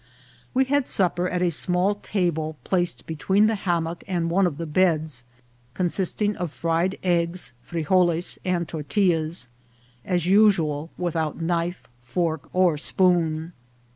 We had supper at a small table placed between the hammock and one of the beds, consisting of fried eggs, frigoles, and tortillas, as usual without knife, fork, or spoon.